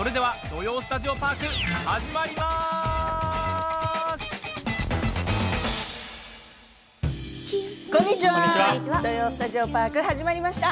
「土曜スタジオパーク」始まりました。